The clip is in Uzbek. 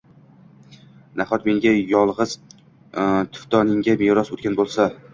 nahot menga yolg’iz tufdonigina meros o’tgan bo’lsa?